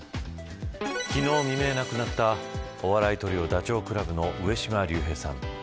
昨日未明亡くなったお笑いトリオ、ダチョウ倶楽部の上島竜兵さん。